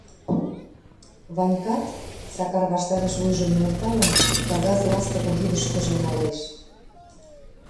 Ванькат, Сакар ваштареш вуйжым нӧлталын, кагаз ластыкым кидышкыже налеш.